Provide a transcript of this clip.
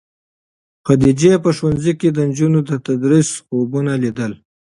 خدیجې په ښوونځي کې د نجونو د تدریس خوبونه لیدل.